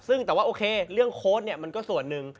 ซึ่งแต่ว่าโอเคเรื่องโค้ดเนี่ยมันก็ส่วนหนึ่ง